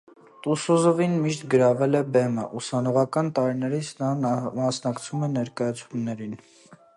Տուսուզովին միշտ գրավել է բեմը, ուսանողական տարիներից նա մասնակցում է ներկայացումներին։